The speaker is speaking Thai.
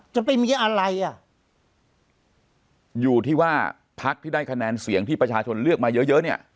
จะมีอะไรอ่ะอยู่ที่ว่าพักที่ได้คะแนนเสียงที่ประชาชนเลือกมาเยอะเยอะเนี่ย